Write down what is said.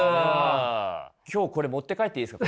今日これ持って帰っていいですか？